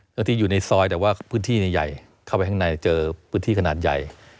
แล้วที่อยู่ในซอยแต่ว่าพื้นที่ใหญ่เข้าไปข้างในเจอพื้นที่ขนาดใหญ่